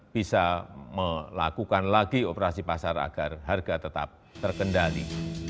bisa melakukan lagi operasi pasar agar harga tetap terkendali